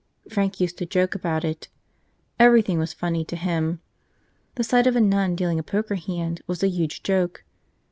Frank used to joke about it. Everything was funny to him. The sight of a nun dealing a poker hand was a huge joke.